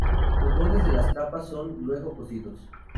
Los bordes de las capas son luego cosidos.